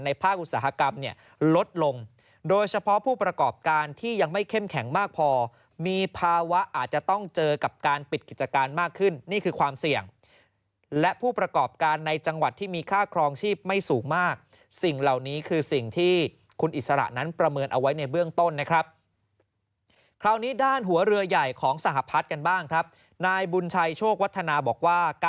ภาคอุตสาหกรรมเนี่ยลดลงโดยเฉพาะผู้ประกอบการที่ยังไม่เข้มแข็งมากพอมีภาวะอาจจะต้องเจอกับการปิดกิจการมากขึ้นนี่คือความเสี่ยงและผู้ประกอบการในจังหวัดที่มีค่าครองชีพไม่สูงมากสิ่งเหล่านี้คือสิ่งที่คุณอิสระนั้นประเมินเอาไว้ในเบื้องต้นนะครับคราวนี้ด้านหัวเรือใหญ่ของสหพัฒน์กันบ้างครับนายบุญชัยโชควัฒนาบอกว่าก